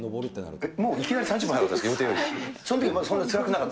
もういきなり３０分早かった？